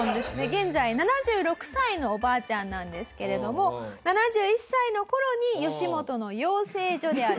現在７６歳のおばあちゃんなんですけれども７１歳の頃に吉本の養成所である。